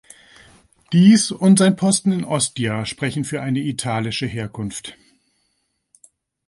Dies und sein Posten in Ostia sprechen für eine italische Herkunft.